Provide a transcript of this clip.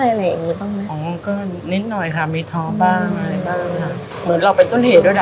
อะไรอย่างงี้บ้างไหมของก้อนนิดหน่อยค่ะมีท้อบ้างอะไรบ้างค่ะเหมือนเราเป็นต้นเหตุด้วยนะ